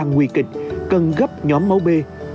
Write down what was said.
nguy kịch cần gấp nhóm máu b